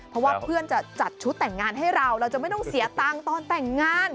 เพราะว่าเพื่อนจะจัดชุดแต่งงานให้เราเราจะไม่ต้องเสียตังค์ตอนแต่งงาน